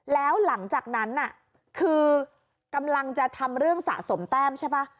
แล้วหลังจากนั้นน่ะคือกำลังจะทำเรื่องสะสมแต้มใช่ป่ะ